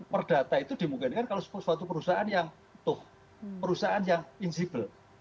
perdata itu dimungkinkan kalau suatu perusahaan yang insibel